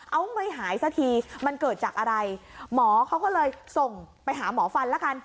เอาไม่หายสักทีมันเกิดจากอะไรหมอเขาก็เลยส่งไปหาหมอฟันละกัน